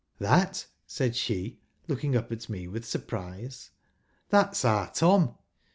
" That," paid she, looking up at me with surprise, "That's our Tom.